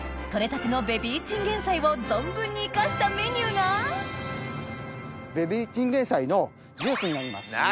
取れたてのベビーチンゲン菜を存分に生かしたメニューがベビーチンゲン菜のジュースになります。